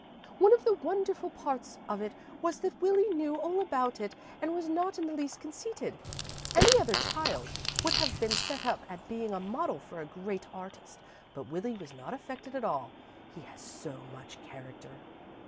One of the wonderful parts of it was that Willie knew all about it and was not in the least conceited. Any other child would have been set up at being a model for a great artist, but Willie was not affected at all. He has so much character!"